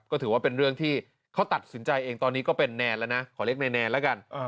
ก็ถือว่าเป็นเรื่องที่เขาตัดสินใจเองตอนนี้ก็เป็นแนนแล้วนะขอเรียกแนนแล้วกัน